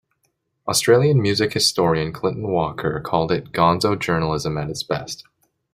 Australian music historian Clinton Walker called it "gonzo journalism at its best".